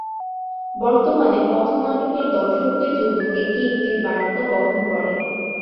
বর্তমানে পথ নাটকের দর্শকদের জন্য এটি একটি বার্তা বহন করে।